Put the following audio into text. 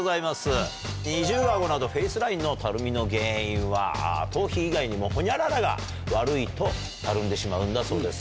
二重アゴなどフェースラインのたるみの原因は頭皮以外にもホニャララが悪いとたるんでしまうんだそうです。